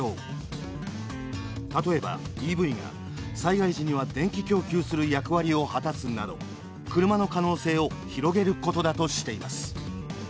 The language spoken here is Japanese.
例えばＥＶが災害時には電気供給する役割を果たすなどクルマの可能性を広げることだとしています。